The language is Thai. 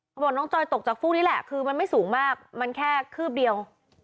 บอกน้องจอยตกจากฟูกนี้แหละคือมันไม่สูงมากมันแค่คืบเดียว